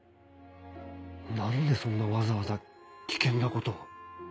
何でそんなわざわざ危険なことを。